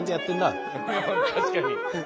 確かに。